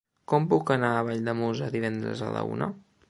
Com puc anar a Valldemossa divendres a la una?